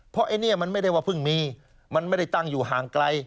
เพราะไอ้นี่มันไม่ได้ว่าเพิ่งมีมันไม่ได้ตั้งอยู่ห่างไกล